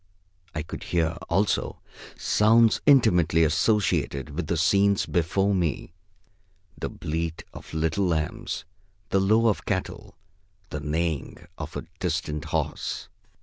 I could hear, also, sounds intimately associated with the scenes before me; the bleat of little lambs, the low of cattle, the neighing of a distant horse.